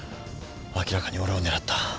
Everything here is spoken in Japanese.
明らかに俺を狙った。